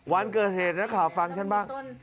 วันเกิดเหตุนักข่าวฟังฉันบ้าง